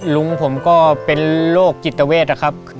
ลุงผมก็เป็นโรคจิตเวทนะครับ